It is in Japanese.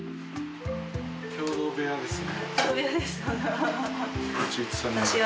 共同部屋です。